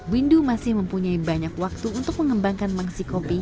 windu masih mempunyai banyak waktu untuk mengembangkan mangsi kopi